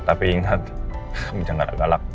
tapi ingat kamu jangan galak galak